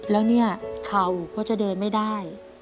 แล้วเนี่ยเข่าก็จะเดินไม่ได้